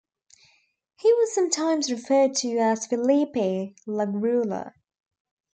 He was sometimes referred to as Philippe Lagrula.